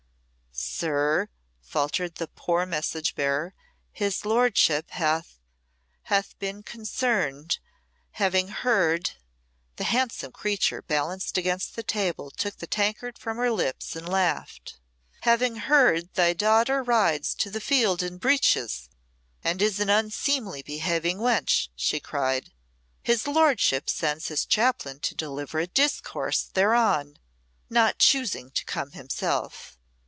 "Sir," faltered the poor message bearer, "his lordship hath hath been concerned having heard " The handsome creature balanced against the table took the tankard from her lips and laughed. "Having heard thy daughter rides to field in breeches, and is an unseemly behaving wench," she cried, "his lordship sends his chaplain to deliver a discourse thereon not choosing to come himself.